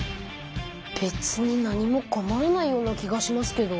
べつに何も困らないような気がしますけど。